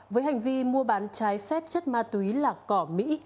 với hành vi mua bán trái phép chất ma túy là cỏ mỹ